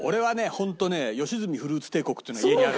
本当ね良純フルーツ帝国っていうのが家にある。